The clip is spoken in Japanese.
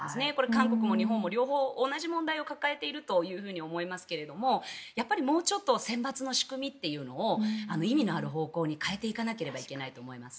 韓国も日本も両方同じ問題を抱えているというふうに思いますがもうちょっと選抜の仕組みを意味のある方向に変えていかなければいけないと思います。